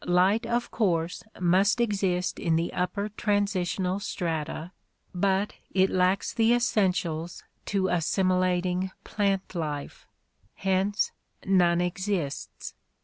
Light of course must exist in the upper transitional strata but it lacks the essentials to assimilating plant life, hence none exists.